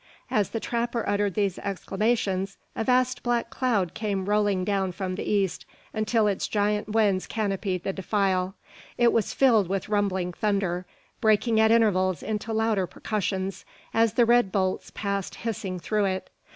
As the trapper uttered these exclamations, a vast black cloud came rolling down from the east, until its giant winds canopied the defile. It was filled with rumbling thunder, breaking at intervals into louder percussions, as the red bolts passed hissing through it.